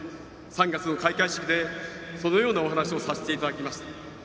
３月の開会式でそのようなお話をさせていただきました。